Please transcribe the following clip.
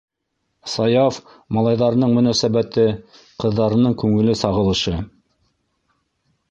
Саяф малайҙарының мөнәсәбәте - ҡыҙҙарының күңеле сағылышы.